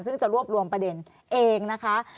ซึ่งจะรวบรวมประเด็นเองนะคะ